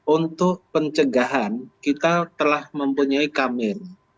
untuk pencegahan kita telah mempunyai kamera